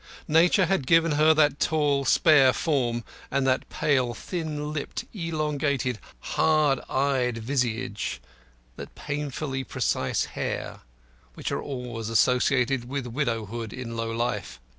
Nature had given her that tall, spare form, and that pale, thin lipped, elongated, hard eyed visage, and that painfully precise hair, which are always associated with widowhood in low life.